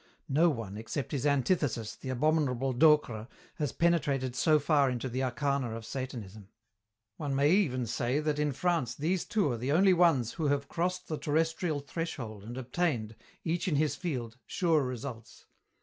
No one, except his antithesis, the abominable Docre, has penetrated so far into the arcana of Satanism. One may even say that in France these two are the only ones who have crossed the terrestrial threshold and obtained, each in his field, sure results.